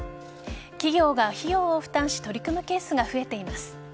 企業が費用を負担し取り組むケースが増えています。